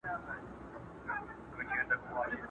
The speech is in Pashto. کوچي نکلونه، د آدم او دُرخانۍ سندري؛